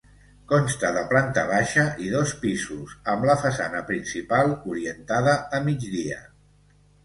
Consta de planta baixa i dos pisos, amb la façana principal orientada a migdia.